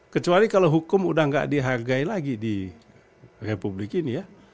kecuali kalau hukum udah nggak dihargai lagi di republik ini ya